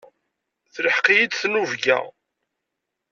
Telḥeq-iyi-d tinubga.